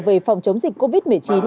về phòng chống dịch covid một mươi chín